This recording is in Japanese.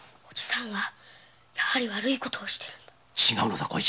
おじさんはやはり悪いことをしているんだ！